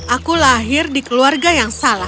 aku lahir di keluarga yang salah